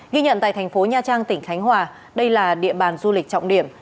ghi nhận tại thành phố nha trang tỉnh khánh hòa đây là địa bàn du lịch trọng điểm